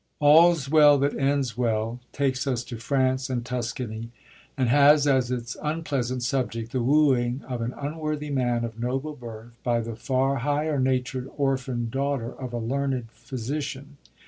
« All's Well that Ends Well takes us to France and Tuscany, and has, as its unpleasant subject, the wooing of an unworthy man of noble birth by the far higher natured orphan daughter of a learned physician.